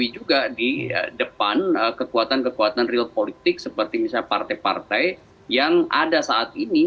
dan ini juga di depan kekuatan kekuatan real politik seperti misalnya partai partai yang ada saat ini